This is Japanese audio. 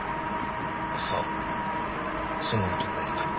さあその男が何か？